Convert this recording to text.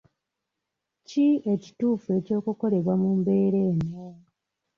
Ki ekituufu eky'okukolebwa mu mbeera eno?